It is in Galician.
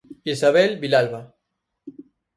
Isabel Vilalba.